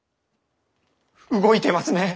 動いてますね！